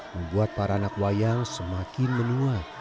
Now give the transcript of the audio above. membuat para anak wayang semakin menua